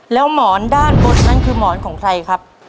แล้วหมอนด้านบนนั้นคือหมอนของใครครับ